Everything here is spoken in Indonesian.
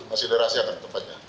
masihaten rasi akan tepatnya